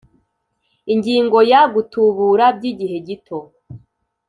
Ingingo ya Gutubura by’ igihe gito